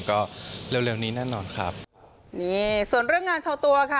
ก็เร็วเร็วนี้แน่นอนครับนี่ส่วนเรื่องงานโชว์ตัวค่ะ